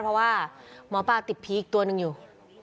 เพราะว่าหมอปลาติดพีคอีกตัวหนึ่งอยู่